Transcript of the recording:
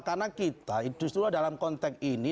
karena kita justru dalam konteks ini